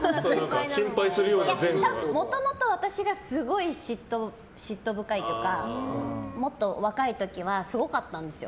もともと私がすごい嫉妬深いというかもっと若い時はすごかったんですよ。